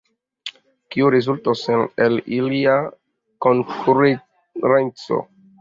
Kio rezultos el ilia konkurenco?